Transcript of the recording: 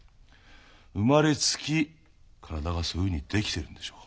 生まれつき体がそういうふうに出来てるんでしょう。